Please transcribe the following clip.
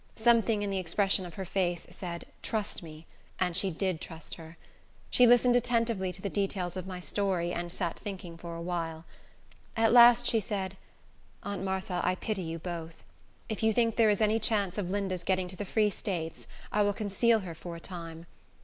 Something in the expression of her face said "Trust me!" and she did trust her. She listened attentively to the details of my story, and sat thinking for a while. At last she said, "Aunt Martha, I pity you both. If you think there is any chance of Linda's getting to the Free States, I will conceal her for a time.